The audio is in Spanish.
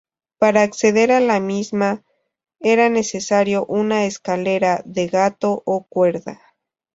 Para acceder a la misma, era necesario una escalera "de gato" o cuerda.